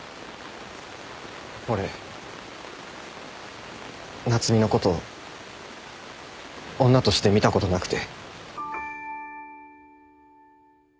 俺夏海のこと女として見たことなくて。